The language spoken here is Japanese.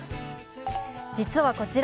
実は、こちら！